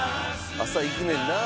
朝行くねんな。